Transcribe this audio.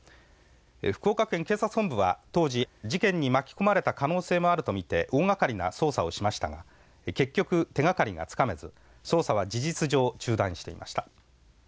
福岡県警察本部は当時事件に巻き込まれた可能性もあるとみて大がかりな捜査をしましたが結局手がかりがつかめず捜査は事実上中断していました。